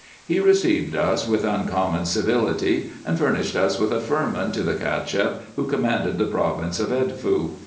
He received us with uncommon civility, and furnished us with a firman to the Cacheff who com manded the province of Edfu.